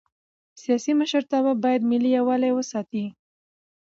سیاسي مشرتابه باید ملي یووالی وساتي